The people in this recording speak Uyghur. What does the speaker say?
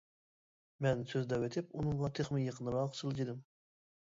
مەن سۆزلەۋېتىپ ئۇنىڭغا تېخىمۇ يېقىنراق سىلجىدىم.